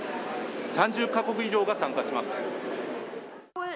３０か国以上が参加します。